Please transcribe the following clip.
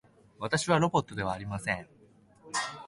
私はロボットではありません。